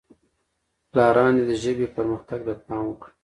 پلاران دې د ژبې پرمختګ ته پام وکړي.